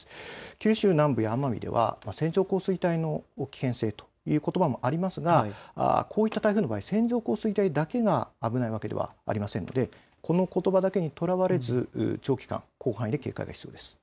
九州南部や奄美では線状降水帯の危険性ということばもありますが、こういった台風の場合、線状降水帯だけが危ないわけではありませんのでこのことばだけにとらわれず長期間、広範囲で警戒が必要です。